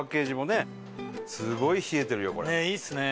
ねっいいっすね。